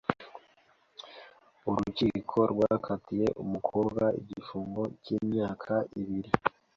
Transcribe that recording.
urukiko rwakatiye umukobwa igifungo cy’imyaka ibiri